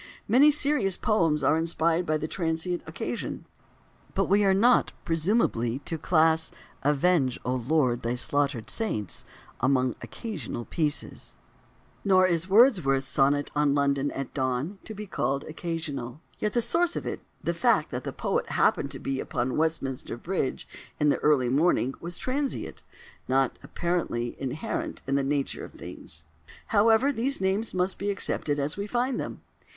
Many serious poems are inspired by the transient occasion. But we are not, presumably, to class "Avenge, O Lord, thy slaughtered saints" among occasional pieces, nor is Wordsworth's sonnet on London at dawn to be called occasional; yet the source of it, the fact that the poet happened to be upon Westminster Bridge in the early morning, was transient, not (apparently) inherent in the nature of things. However, these names must be accepted as we find them.